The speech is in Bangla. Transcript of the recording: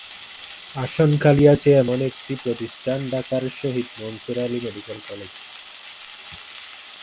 আসন খালি আছে এমন একটি প্রতিষ্ঠান ঢাকার শহীদ মনসুর আলী মেডিকেল কলেজ।